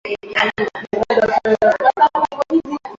Hakuna matibabu ya ugonjwa wa mapele ya ngozi kwa ngombe